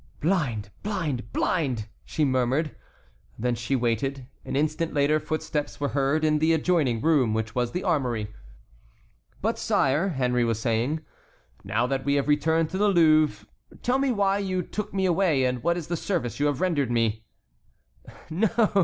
"Blind, blind, blind!" she murmured. Then she waited. An instant later footsteps were heard in the adjoining room, which was the armory. "But, sire," Henry was saying, "now that we have returned to the Louvre, tell me why you took me away and what is the service you have rendered me."